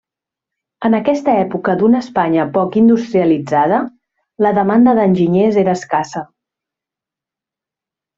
En aquesta època d'una Espanya poc industrialitzada, la demanda d'enginyers era escassa.